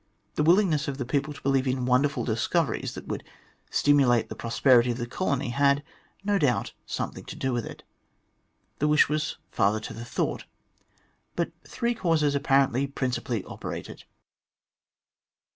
The willingness of the people to believe in wonderful discoveries that would stimulate the prosperity of the colony had, no doubt, some thing to do with it. The wish was father to the thought. But three causes apparently principally operated.